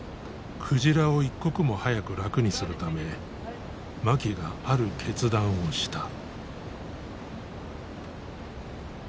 鯨を一刻も早く楽にするため槇がある決断をした。